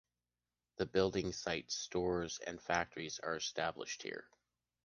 The building sites, stores and factories are established there.